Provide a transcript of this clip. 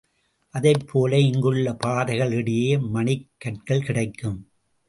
அதைப் போல இங்குள்ள பாறைகளிடையே மணிக் கற்கள் கிடைக்கும்.